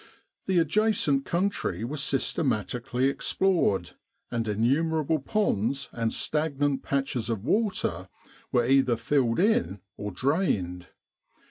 The adjacent country was systematically explored, and innumerable ponds and stagnant patches of water were either filled in or drained.